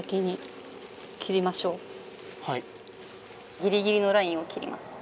ギリギリのラインを切ります。